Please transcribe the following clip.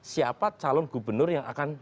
siapa calon gubernur yang akan